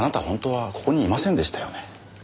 ほんとはここにいませんでしたよね？